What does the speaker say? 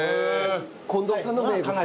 近藤さんの名物。